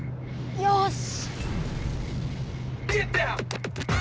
よし！